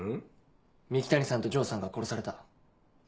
三鬼谷さんと城さんが殺された。